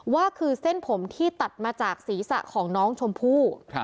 ว่าคือเส้นผมที่ตัดมาจากศีรษะของน้องชมพู่